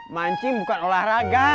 mancing bukan olahraga